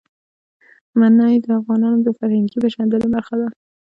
منی د افغانانو د فرهنګي پیژندنې برخه ده.